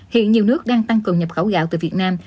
hiện nhiều nước đang tăng cường nhập khẩu gạo từ việt nam